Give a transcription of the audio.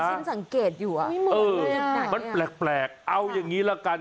มีชานสังเกตอยู่เออมันแปลกแปลกเอาอย่างงี้ละกัน